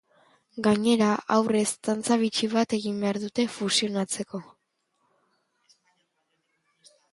Gainera, aurrez, dantza bitxi bat egin behar dute fusionatzeko.